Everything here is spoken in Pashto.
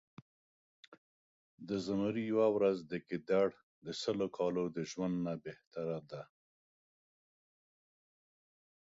د زمري يؤه ورځ د ګیدړ د سلو کالو د ژؤند نه بهتره ده